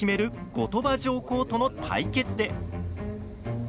後鳥羽上皇との対決で。